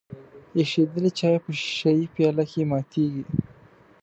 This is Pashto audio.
ایشیدلی چای په ښیښه یي پیاله کې ماتیږي.